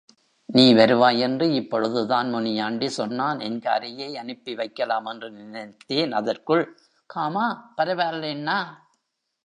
நீ வருவாயென்று இப்பொழுதுதான் முனியாண்டி சொன்னான், என் காரையே அனுப்பி வைக்கலாம் என்று நினைத்தேன் அதற்குள்...... காமா பரவால்லேண்ணா.